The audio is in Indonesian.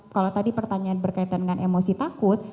kalau tadi pertanyaan berkaitan dengan emosi takut